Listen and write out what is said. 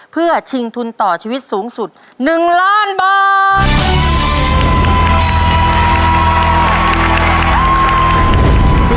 เพื่อชิงทุนต่อชีวิตสูงสุด๑ล้านบาท